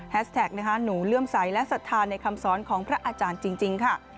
แท็กนะคะหนูเลื่อมใสและศรัทธาในคำสอนของพระอาจารย์จริงค่ะ